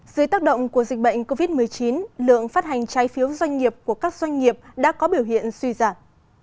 dưới tác động của dịch bệnh covid một mươi chín lượng phát hành trái phiếu doanh nghiệp của các doanh nghiệp đã có biểu hiện suy giảm